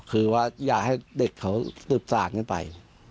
คืออยากให้เด็กเขาสืบสาวไงไป